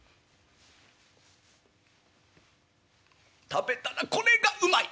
食べたらこれがうまい！